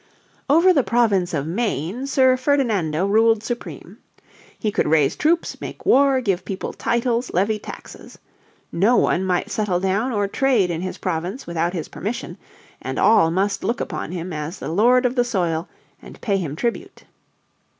Over the Province of Maine, Sir Ferdinando ruled supreme. He could raise troops, make war, give people titles, levy taxes. No one might settle down or trade in his province without his permission, and all must look upon him as the lord of the soil and pay him tribute.